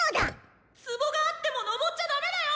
壺があってものぼっちゃダメだよ！